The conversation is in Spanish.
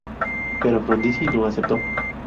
Pero Frondizi no aceptó.